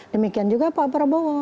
demikian juga pak prabowo